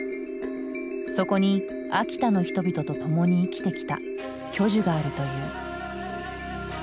そこに秋田の人々と共に生きてきた巨樹があるという。